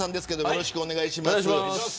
よろしくお願いします